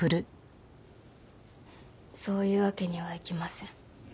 そういうわけにはいきません。